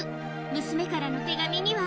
娘からの手紙には。